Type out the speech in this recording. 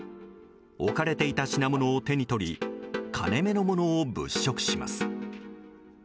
置かれていた品物を手に取り金目のものを物色します。